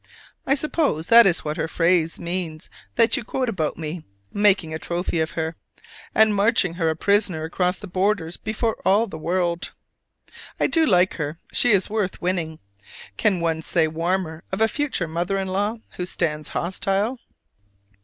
I suppose that is what her phrase means that you quote about my "making a trophy of her," and marching her a prisoner across the borders before all the world! I do like her: she is worth winning. Can one say warmer of a future mother in law who stands hostile?